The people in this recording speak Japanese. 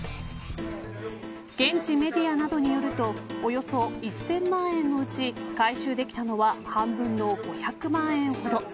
現地メディアなどによるとおよそ１０００万円のうち回収できたのは半分の５００万円ほど。